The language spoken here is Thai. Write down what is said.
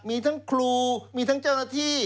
มีทั้งครูมีทั้งเจ้าหน้าที่